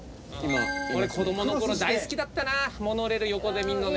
俺子どもの頃大好きだったなモノレール横で見るのね。